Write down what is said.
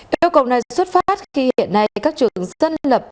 yêu cầu này xuất phát khi hiện nay các trường dân lập